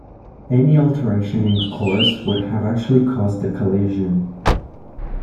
Any alteration in course would have actually caused a collision.